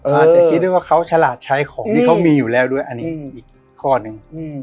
อาจจะคิดได้ว่าเขาฉลาดใช้ของที่เขามีอยู่แล้วด้วยอันนี้อีกข้อหนึ่ง